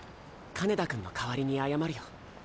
金田君の代わりに謝るよ。